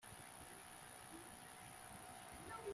kandi ntuzabwire intumwa y'imana ngo nari nibeshye